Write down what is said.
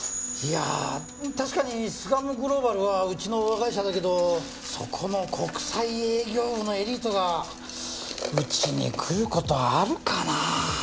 いや確かに巣鴨グローバルはうちの親会社だけどそこの国際営業部のエリートがうちに来る事あるかな？